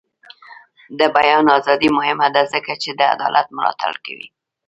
د بیان ازادي مهمه ده ځکه چې د عدالت ملاتړ کوي.